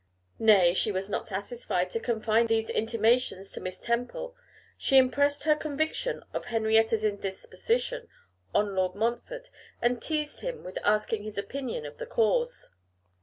Nay! she was not satisfied to confine these intimations to Miss Temple; she impressed her conviction of Henrietta's indisposition on Lord Montfort, and teased him with asking his opinion of the cause.